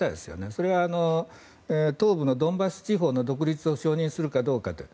それは東部のドンバス地方の独立を承認するかどうか。